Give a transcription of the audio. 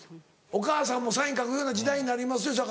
お母さんもサイン書くような時代になりますよ。